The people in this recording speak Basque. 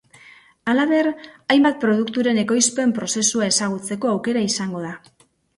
Halaber, hainbat produkturen ekoizpen prozesua ezagutzeko aukera izango da.